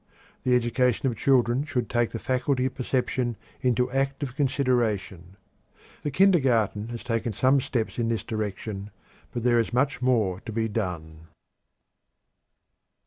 The education of children should take the faculty of perception into active consideration. The kindergarten has taken some steps in this direction, but there is much more to be done.